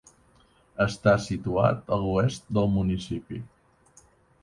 Està situat a l'oest del municipi.